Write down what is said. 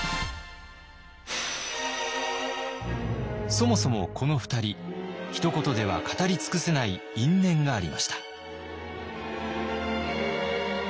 そもそもこの２人ひと言では語り尽くせない因縁がありました。